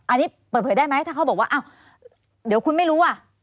อันนี้เปิดเผยได้ไหมถ้าเขาบอกว่าอ้าวเดี๋ยวคุณไม่รู้อ่ะ